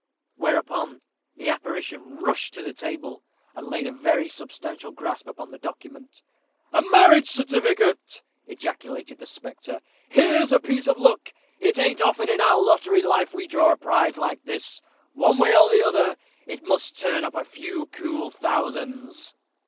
Whereupon the apparition rushed to the table, and laid a very substantial grasp upon the document. "A marriage certificate!" ejaculated the spectre; "here's a piece of luck! It ain't often in our lottery life we draw a prize like this. One way or the other, it must turn up a few cool thousands."